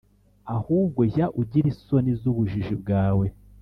ahubwo jya ugira isoni z’ubujiji bwawe